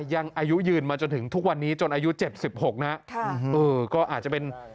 ยังอายุยืนมาจนถึงทุกวันนี้จนอายุ๗๖นะฮะเออก็อาจจะเป็น